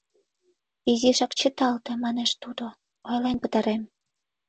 — Изишак чыталте, — манеш тудо, — ойлен пытарем...